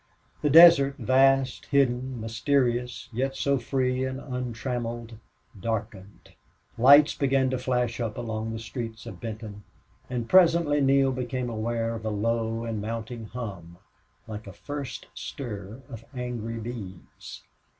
The desert, vast, hidden, mysterious, yet so free and untrammeled, darkened. Lights began to flash up along the streets of Benton, and presently Neale became aware of a low and mounting hum, like a first stir of angry bees.